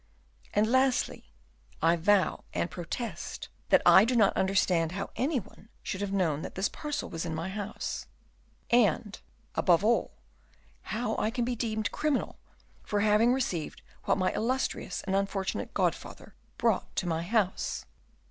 And lastly, I vow and protest that I do not understand how any one should have known that this parcel was in my house; and, above all, how I can be deemed criminal for having received what my illustrious and unfortunate godfather brought to my house."